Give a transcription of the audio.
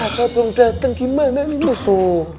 kata belum dateng gimana nih musuh